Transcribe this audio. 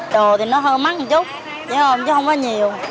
đồ thì nó hơi mắc một chút chứ không có nhiều